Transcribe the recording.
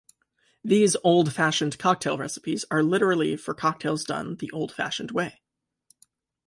These Old Fashioned cocktail recipes are literally for cocktails done the old-fashioned way.